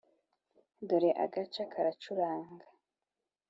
dore agaca karacuranga,